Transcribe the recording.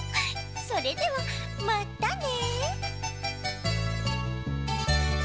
それではまったね。